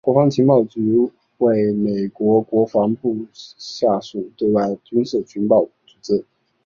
国防情报局为美国国防部辖下主要对外军事情报组织。